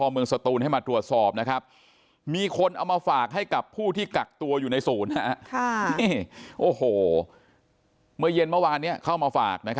เมื่อเย็นเมื่อวานเข้ามาฝาก